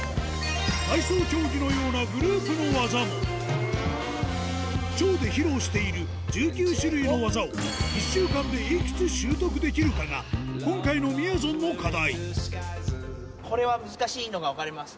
体操競技のようなショーで披露している１９種類の技を１週間でいくつ習得できるかが今回のみやぞんの課題